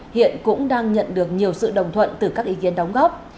hiện cũng đang nhận được nhiều sự đồng thuận từ các ý kiến đóng góp